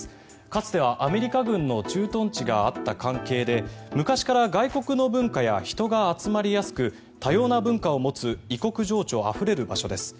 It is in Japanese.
かつてはアメリカ軍の駐屯地があった関係で昔から外国の文化や人が集まりやすく多様な文化を持つ異国情緒あふれる場所です。